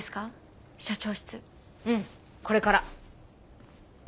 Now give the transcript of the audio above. うんこれから。